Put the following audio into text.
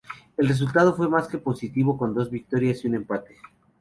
El resultado fue más que positivo con dos victorias y un empate.